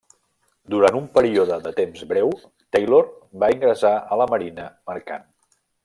Durant un període de temps breu, Taylor va ingressar a la Marina mercant.